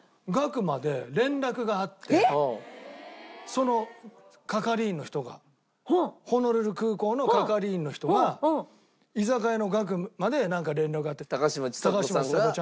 その係員の人がホノルル空港の係員の人が居酒屋の楽まで連絡。